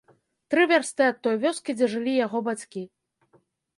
Тры вярсты ад той вёскі, дзе жылі яго бацькі.